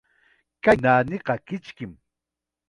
Kay naaniqa kichkim.